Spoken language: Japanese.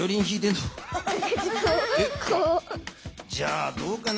じゃあどうかな？